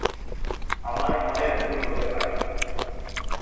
আমার মনের ভুল হতে পারে।